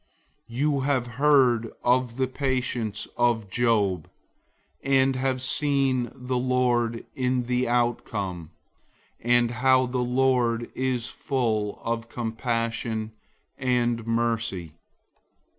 You have heard of the patience of Job, and have seen the Lord in the outcome, and how the Lord is full of compassion and mercy.